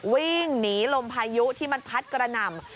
วิ่งหนีลมพายุที่มันพัดกระหน่ำ